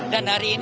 dan hari ini ada